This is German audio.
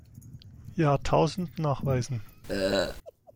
Jahrtausend nachweisen.